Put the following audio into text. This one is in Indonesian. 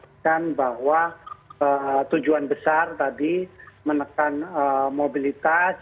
untuk memastikan bahwa tujuan besar tadi menekan mobilitas